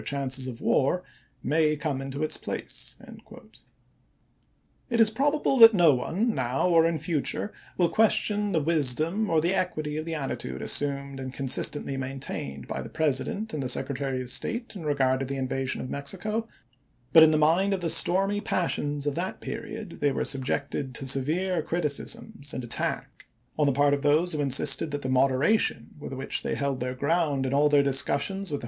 ' chances of war, may come into its place." It is probable that no one, now or in future, will question the wisdom or the equity of the attitude assumed and consistently maintained by the Presi dent and the Secretary of State in regard to the invasion of Mexico ; but in the midst of the stormy passions of that period they were subjected to se vere criticisms and attack on the part of those who insisted that the moderation with which they MAXIMILIAN 405 held their ground in all their discussions with the chap.